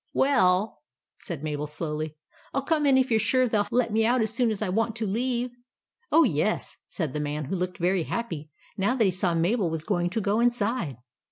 " W e 11," said Mabel, slowly, " I '11 come in, if you 're sure they '11 let me out as soon as I want to leave." v " Oh, yes," said the man, who looked very happy, now that he saw Mabel was going to go inside.